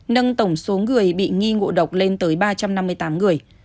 nâng tổng số người bị nghi ngộ độc lên tới ba trăm năm mươi tám người